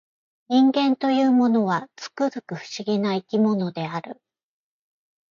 人間というものは、つくづく不思議な生き物である